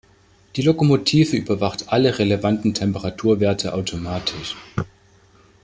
Die Lokomotive überwacht alle relevanten Temperaturwerte automatisch.